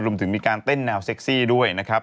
รวมถึงมีการเต้นแนวเซ็กซี่ด้วยนะครับ